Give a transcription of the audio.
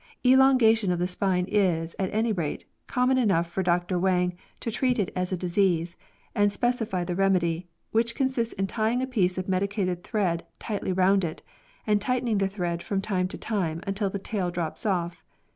Elongation of the spine is, at any rate, common enough for Dr Wang to treat it as a disease and specify the remedy, which consists in tying a piece of medicated thread tightly round it, and tightening the thread from time to time until the tail drops oflf.